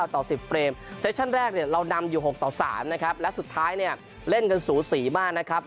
ต่อ๑๐เฟรมเซชั่นแรกเนี่ยเรานำอยู่๖ต่อ๓นะครับและสุดท้ายเนี่ยเล่นกันสูสีมากนะครับ